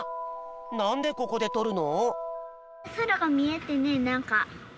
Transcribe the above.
なんでここでとるの？